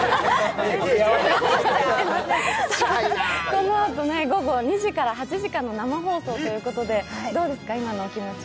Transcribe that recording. さあ、このあと午後２時から８時間の生放送ということで、どうですか、今のお気持ち？